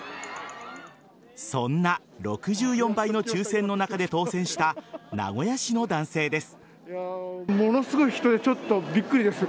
そんな６４倍の抽選の中で当選した名古屋市の男性です。